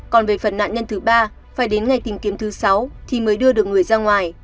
còn về phần nạn nhân thứ ba phải đến ngày tìm kiếm thứ sáu thì mới đưa được người ra ngoài